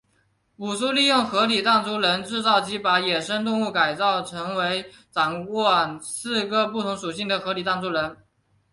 武殊利用合体弹珠人制造机把野生动物改造成为掌管四个不同属性的合体弹珠人。